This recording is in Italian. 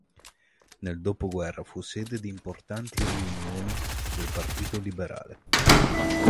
Nel dopoguerra fu sede di importanti riunioni del Partito Liberale.